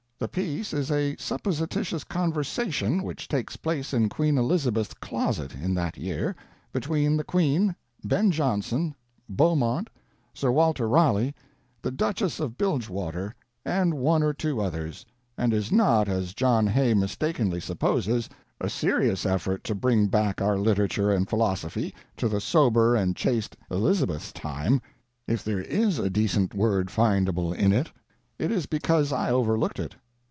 The piece is a supposititious conversation which takes place in Queen Elizabeth's closet in that year, between the Queen, Ben Jonson, Beaumont, Sir Walter Raleigh, the Duchess of Bilgewater, and one or two others, and is not, as John Hay mistakenly supposes, a serious effort to bring back our literature and philosophy to the sober and chaste Elizabeth's time; if there is a decent word findable in it, it is because I overlooked it.